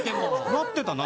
なってたな。